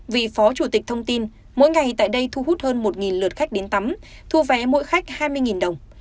vị phó chủ tịch thông tin mỗi ngày tại đây thu hút hơn một lượt khách đến tắm thu vé mỗi khách hai mươi đồng